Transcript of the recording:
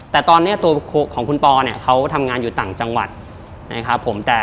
แต่ตอนนี้ตัวของคุณปอเนี่ยเขาทำงานอยู่ต่างจังหวัดนะครับผม